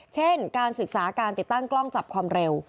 เช่นการศึกษาการติดตั้งกล้องจับความเร็ว